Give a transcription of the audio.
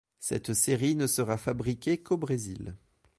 Cette série ne sera fabriquée qu'au Brésil.